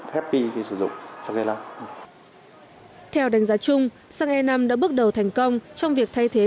happy khi sử dụng xăng e năm theo đánh giá chung xăng e năm đã bước đầu thành công trong việc thay thế